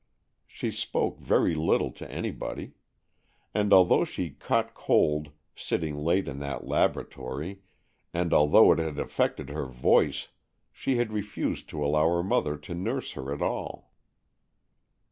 She spoke very little to anybody. And, although she caught cold, sitting late in that laboratory, and although it had affected her voice, she had refused to allow her mother to nurse her at all.